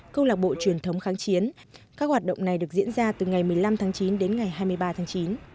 công lạc bộ truyền thống kháng chiến các hoạt động này được diễn ra từ ngày một mươi năm tháng chín đến ngày hai mươi ba tháng chín